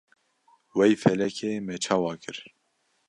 Wey felekê me çawa kir?